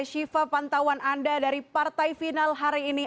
syifa pantauan anda dari partai final hari ini